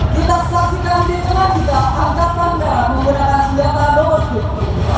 kita saksikan di tengah kita angkat anda menggunakan senjata doorship